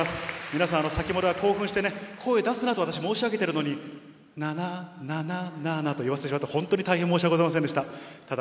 皆さん、先ほどは興奮してね、声出すなと私、申し上げてるのに、ナナー、ナナー、ナーと言わせてしまって、本当に大変申し訳ございませんでした。